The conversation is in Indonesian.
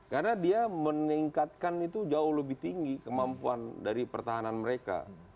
karena dia meningkatkan itu jauh lebih tinggi kemampuan dari pertahanan mereka